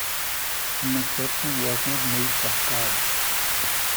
An exception was not made for Cobb.